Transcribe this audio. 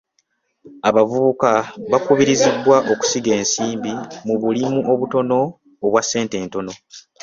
Abavubuka bakubirizibwa okusiga ensimbi mu bulimu obutono obwa ssente entono.